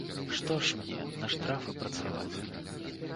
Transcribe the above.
Што ж мне, на штрафы працаваць.